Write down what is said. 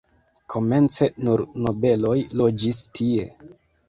Komence nur nobeloj loĝis tie.